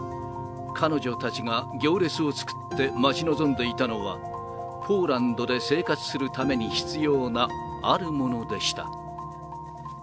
彼女たちが行列を作って待ち望んでいたのは、ポーランドで生活するために必要なあるものでした。